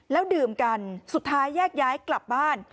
แล้วดื่มกันสุดท้ายแยกย้ายกลับบ้าน